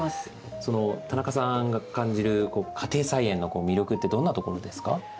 田中さんが感じる家庭菜園の魅力ってどんなところですか？